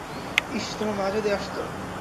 ইশ, তোমার মা যদি আসতো।